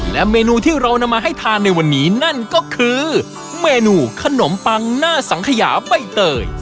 และเมนูที่เรานำมาให้ทานในวันนี้นั่นก็คือเมนูขนมปังหน้าสังขยาใบเตย